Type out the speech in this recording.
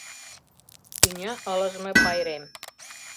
Тӱня ылыжме пайрем.